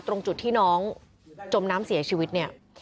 ตรงจุดที่น้องจมน้ำเสียชีวิตเนี่ย